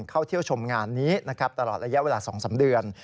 เข้าเที่ยวชมงานนี้นะครับตลอดระยะเวลา๒๓เดือน